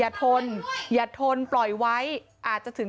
โอเคกลับไปไม่ใช่แม่มึง